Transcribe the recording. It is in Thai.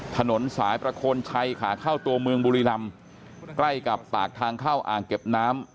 ถนนสายประโคนชัยขาเข้าตัวเมืองบุรีรำใกล้กับปากทางเข้าอ่างเก็บน้ำ